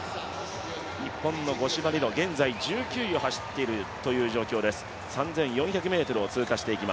日本の五島莉乃、現在１９位を走っている状況です。